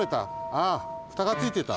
ああフタがついてた。